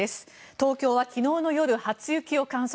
東京は昨日の夜、初雪を観測。